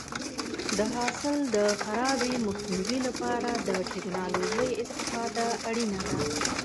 د حاصل د خرابي مخنیوي لپاره د ټکنالوژۍ استفاده اړینه ده.